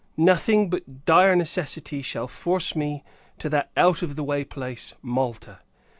Nothing, but dire necessity, shall force me to that out of the way place, Malta.